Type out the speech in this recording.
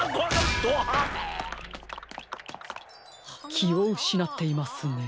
きをうしなっていますね。